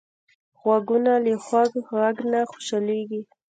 غوږونه له خوږ غږ نه خوشحالېږي